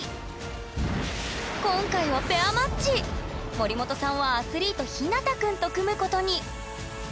森本さんはアスリートひなたくんと組むことに！